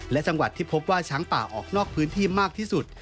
และจังหวัดที่พบว่าช้างป่าออกนอกพื้นที่มากที่สุด